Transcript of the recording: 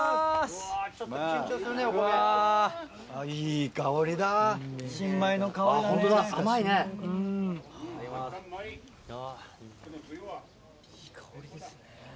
いい香りですね。